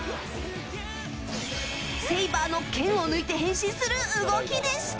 セイバーの剣を抜いて変身する動きでした。